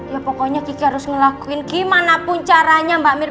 ya pokoknya kiki harus ngelakuin gimana pun caranya mbak mirna